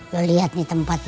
lo liat nih tempat ini